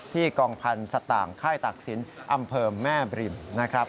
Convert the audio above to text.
กองพันธุ์สัตว์ต่างค่ายตักศิลป์อำเภอแม่บริมนะครับ